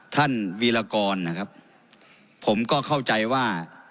วีรกรนะครับผมก็เข้าใจว่า